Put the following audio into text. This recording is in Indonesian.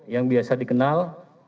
yang biasa dikenal